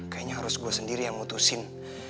kayaknya harus gue sendiri yang mutusin